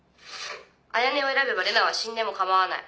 彩音を選べば玲奈は死んでも構わない。